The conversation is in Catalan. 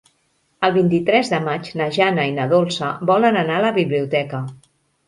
El vint-i-tres de maig na Jana i na Dolça volen anar a la biblioteca.